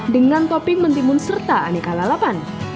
dengan topping mentimun serta aneka lalapan